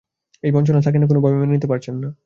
এই বঞ্চনা সকিনা কোনোভাবেই মেনে নিতে পারছেন না।